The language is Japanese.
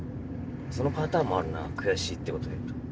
そのパターンもあるな悔しいってことで。